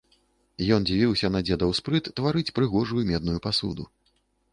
Ён дзівіўся на дзедаў спрыт тварыць прыгожую медную пасуду.